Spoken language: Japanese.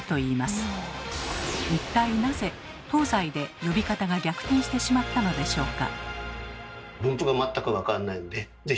一体なぜ東西で呼び方が逆転してしまったのでしょうか？